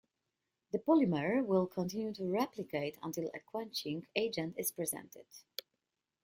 The polymer will continue to replicate until a quenching agent is presented.